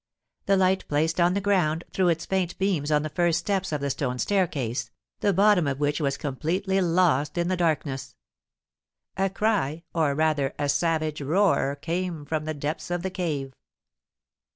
The light, placed on the ground, threw its faint beams on the first steps of the stone staircase, the bottom of which was completely lost in the darkness. A cry, or, rather, a savage roar, came from the depths of the cave.